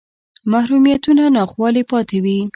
محرومیتونه ناخوالې پاتې وې